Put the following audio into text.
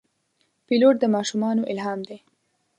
پیلوټ د ماشومانو الهام دی.